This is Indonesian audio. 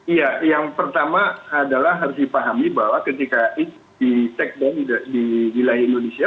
iya yang pertama adalah harus dipahami bahwa ketika di take down di wilayah indonesia